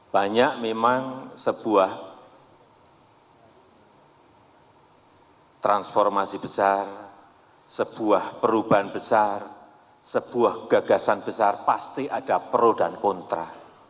banyak memang sebuah transformasi besar sebuah perubahan besar sebuah gagasan besar pasti ada pro dan kontra